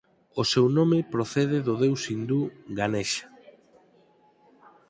O seu nome procede do deus hindú Ganesha.